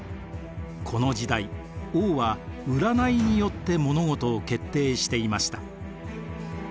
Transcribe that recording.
この時代王は占いによって物事を決定していました。